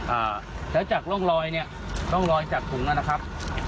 อ่าแล้วจากร่องรอยเนี้ยร่องรอยจากถุงอ่ะนะครับ